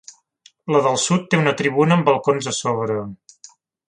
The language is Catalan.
La del sud té una tribuna amb balcons a sobre.